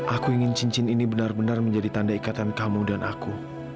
aku ingin cincin ini benar benar menjadi tanda ikatan kamu dan aku